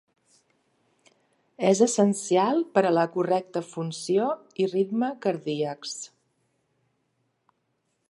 És essencial per a la correcta funció i ritme cardíacs.